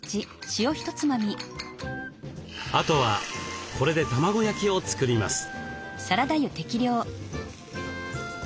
あとはこれで卵焼きを作ります。